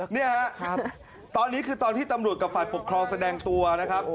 นี่ฮะตอนนี้คือตอนที่ตำรวจกับฝ่ายปกครองแสดงตัวนะครับ